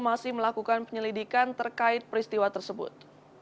masih melakukan penyelidikan terkait peristiwa tersebut